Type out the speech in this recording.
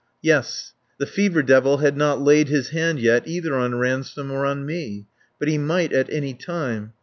Yes. The fever devil had not laid his hand yet either on Ransome or on me. But he might at any time.